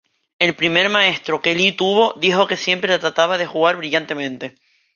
El primer maestro que Lee tuvo dijo que siempre trataba de jugar brillantemente.